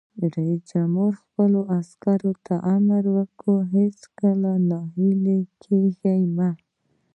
رئیس جمهور خپلو عسکرو ته امر وکړ؛ هیڅکله ناهیلي کیږئ مه!